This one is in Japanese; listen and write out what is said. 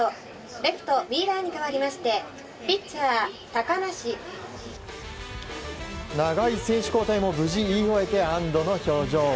レフト、ウィーラーに代わりまして長い選手交代も無事言い終えて安堵の表情。